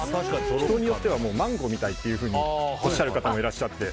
人によってはマンゴー見たいっておっしゃる方もいらっしゃって。